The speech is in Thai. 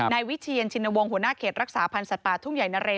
นายวิเชียนชินวงศ์หัวหน้าเขตรักษาพันธ์สัตว์ป่าทุ่งใหญ่นะเร